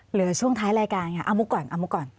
เหลือช่วงท้ายรายการเอามุกก่อน